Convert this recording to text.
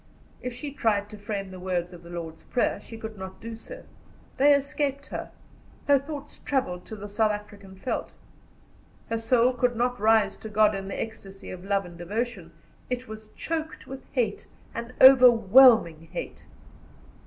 If she tried to frame the words of the Lord's Prayer, she could not do so. They escaped her; her thoughts travelled to the South African veldt. Her soul could not rise to God in the ecstasy of love and devotion; it was choked with hate an overwhelming hate.